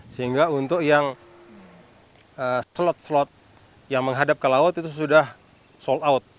sehingga untuk yang slot slot yang menghadap ke laut itu sudah sold out